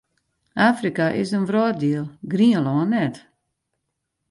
Afrika is in wrâlddiel, Grienlân net.